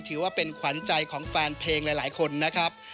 ถือว่าเป็นขวัญใจของแฟนเพลงหลายคนนะครับ